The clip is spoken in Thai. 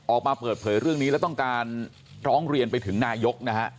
ออกมาเปิดเผยเรื่องนี้และต้องการร้องเรียนไปถึงนายกนะฮะ